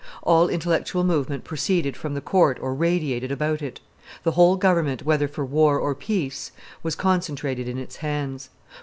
All intellectual movement proceeded from the court or radiated about it; the whole government, whether for war or peace, was concentrated in its hands.